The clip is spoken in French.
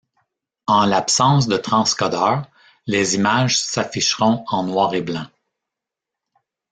En l'absence de transcodeur, les images s'afficheront en noir et blanc.